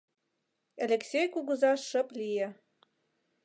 Элексей кугыза шып лие.